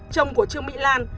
chồng của trương mỹ lan